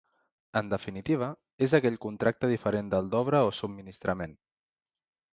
En definitiva, és aquell contracte diferent del d'obra o subministrament.